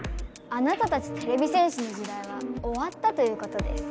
あなたたちてれび戦士の時代はおわったということです。